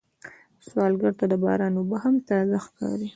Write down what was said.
سوالګر ته د باران اوبه هم تازه ښکاري